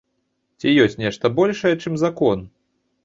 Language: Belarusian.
Ці ёсць нешта большае, чым закон?